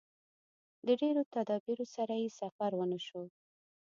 د ډېرو تدابیرو سره یې سفر ونشو.